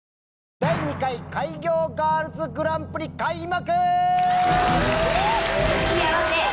第２回開業ガールズグランプリ開幕！